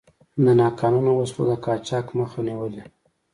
د ناقانونه وسلو د قاچاق مخه نیولې.